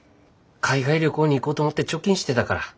海外旅行に行こうと思って貯金してたから。